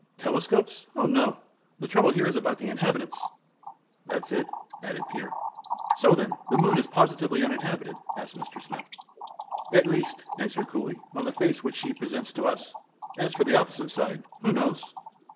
"Telescopes? O no, the trouble here is about inhabitants!" "That's it," added Peer. "So, then, the moon is positively uninhabited?" asked Mr. Smith. "At least," answered Cooley, "on the face which she presents to us. As for the opposite side, who knows?"